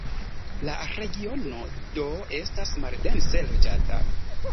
La regiono do estas maldense loĝata.